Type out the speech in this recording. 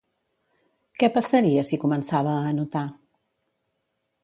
Què passaria si començava a anotar?